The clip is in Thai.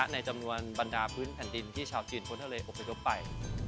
ในจำนวนบรรดาพื้นแผ่นดินที่ชาวจีนพ้นทะเลอบพยพไป